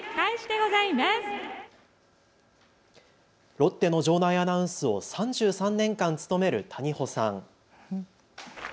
ロッテの場内アナウンスを３３年間務める谷保さん。